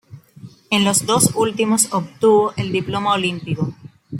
En los dos últimos obtuvo el diploma olímpico.